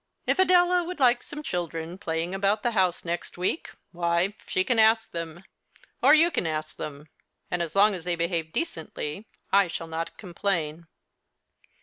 If Adela would like some children playing about the house next week, why, she can ask them, or you can ask them ; and as long as they behave decently I shall not complain.